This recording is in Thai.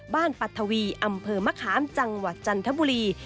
ปัทวีอำเภอมะขามจังหวัดจันทบุรี